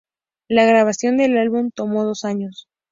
La grabación del álbum tomó dos años.